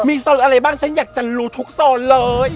มีโซนอะไรบ้างฉันอยากจะรู้ทุกโซนเลย